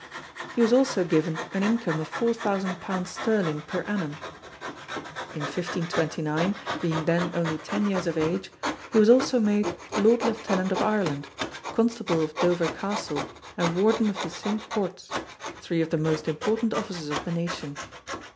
He was also given an income of four thousand pounds sterling per annum. In 1529, being then only ten years of age, he was also made Lord Lieutenant of Ireland, Constable of Dover Castle and Warden of the Cinque Ports three of the most important offices of the Nation.